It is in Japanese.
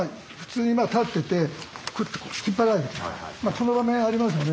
こんな場面ありますよね。